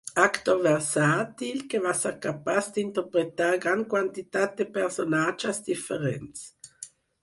Actor versàtil, que va ser capaç d'interpretar gran quantitat de personatges diferents.